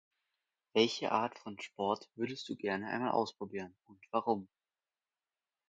Welche Art von Sport würdest du gerne einmal ausprobieren? Warum?